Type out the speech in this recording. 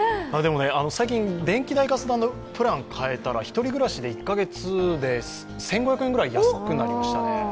最近、電気代、ガス代のプランを変えたら１人暮らしで１か月で１５００円くらい安くなりましたね。